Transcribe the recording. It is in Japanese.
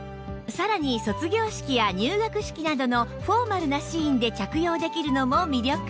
さらに卒業式や入学式などのフォーマルなシーンで着用できるのも魅力